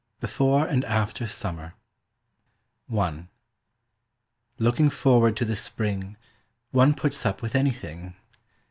BEFORE AND AFTER SUMMER I LOOKING forward to the spring One puts up with anything.